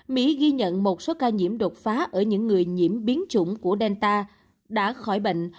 mỹ ghi nhận một số ca nhiễm đột phá ở những người nhiễm biến chủng của delta đã khỏi bệnh